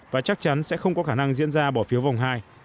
và chắc chắn sẽ không có khả năng diễn ra bỏ phiếu vòng hai